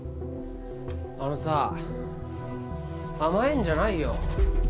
あのさ甘えんじゃないよ